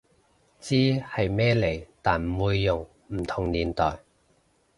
知係咩嚟但唔會用，唔同年代